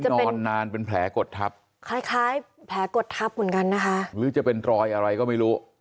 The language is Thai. นอนนานเป็นแผลกดทับคล้ายคล้ายแผลกดทับเหมือนกันนะคะหรือจะเป็นรอยอะไรก็ไม่รู้